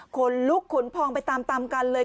ขนลุกขนพองไปตามกันเลย